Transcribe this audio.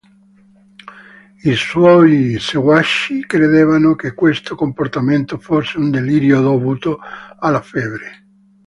I suoi seguaci credevano che questo comportamento fosse un delirio dovuto alla febbre.